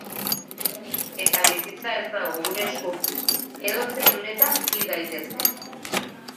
Eta bizitza ez dago gure esku, edozein unetan hil gaitezke.